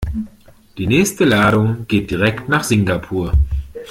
Die nächste Ladung geht direkt nach Singapur.